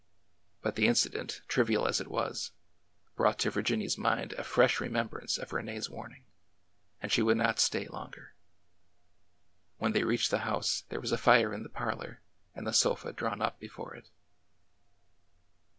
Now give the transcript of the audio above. But the incident, trivial as it was, brought to Virginia's 224 ORDER NO. 11 mind a fresh remembrance of Rene's warning, and she would not stay longer. When they reached the house, there was a fire in the parlor and the sofa drawn up before it.